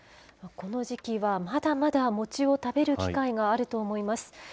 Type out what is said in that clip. この時期は、まだまだ餅を食べる機会があると思います。